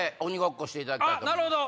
なるほど！